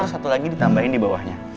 satu lagi ditambahin di bawahnya